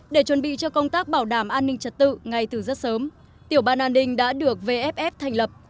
để chuẩn bị cho công tác bảo đảm an ninh trật tự ngay từ rất sớm tiểu ban an ninh đã được vff thành lập